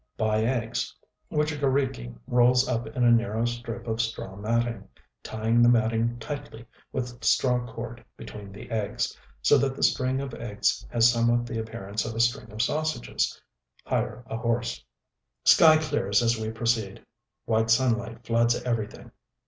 Buy eggs, which a g┼Źriki rolls up in a narrow strip of straw matting; tying the matting tightly with straw cord between the eggs, so that the string of eggs has somewhat the appearance of a string of sausages.... Hire a horse. Sky clears as we proceed; white sunlight floods everything.